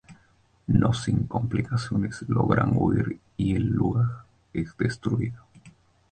No sin complicaciones, logran huir y el gulag es destruido.